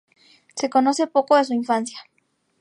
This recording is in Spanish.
Se conoce poco de su infancia.